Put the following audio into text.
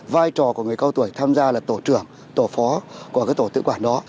vai trò của người cao tuổi tham gia là tổ trưởng tổ phó của tổ tự quản đó